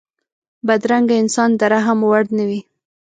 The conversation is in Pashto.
بدرنګه انسان د رحم وړ نه وي